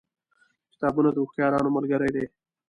کتابونه د هوښیارانو ملګري دي.